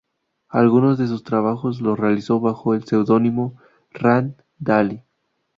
Algunos de sus trabajos los realizó bajo el seudónimo Rann Daly.